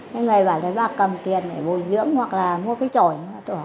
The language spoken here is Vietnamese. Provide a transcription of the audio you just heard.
cái người bảo đấy bà cầm tiền để bồi dưỡng hoặc là mua cái trổi